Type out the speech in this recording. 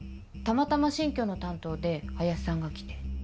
たまたま新居の担当で林さんが来て。